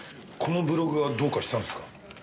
このブログがどうかしたんですか？